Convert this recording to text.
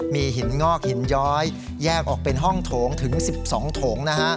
มีหินงอกหินย้อยแยกออกเป็นห้องโถงถึง๑๒โถงนะฮะ